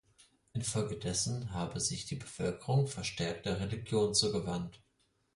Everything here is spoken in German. Infolgedessen habe sich die Bevölkerung verstärkt der Religion zugewandt.